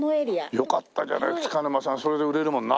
よかったじゃない束ノ間さんそれで売れるもんな。